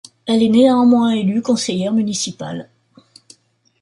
Elle est néanmoins élue conseillère municipale.